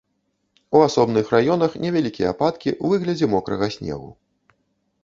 У асобных раёнах невялікія ападкі ў выглядзе мокрага снегу.